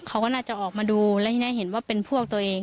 เขาก็น่าจะออกมาดูแล้วทีนี้เห็นว่าเป็นพวกตัวเอง